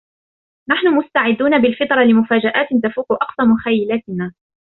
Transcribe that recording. نحن مستعدون بالفطرة لمفاجآت تفوق أقصى مخيلتنا.